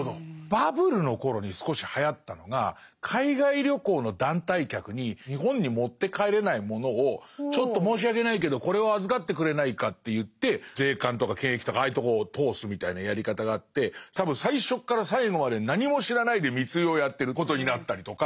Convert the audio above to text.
バブルの頃に少しはやったのが海外旅行の団体客に日本に持って帰れないものを「ちょっと申し訳ないけどこれを預かってくれないか」って言って税関とか検疫とかああいうとこを通すみたいなやり方があって多分最初から最後まで何も知らないで密輸をやってることになったりとか。